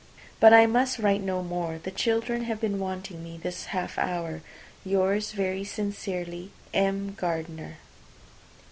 But I must write no more. The children have been wanting me this half hour. "Yours, very sincerely, "M. GARDINER."